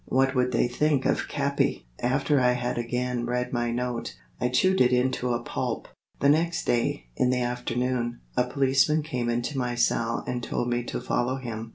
Would they think of Capi? After I had again read my note, I chewed it into a pulp. The next day, in the afternoon, a policeman came into my cell and told me to follow him.